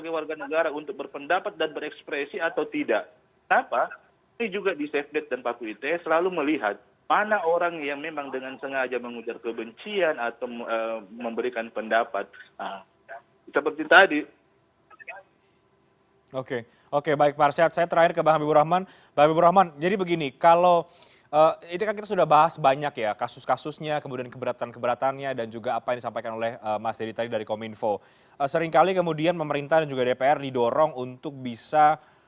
diorang untuk bisa mengambil tanda tanda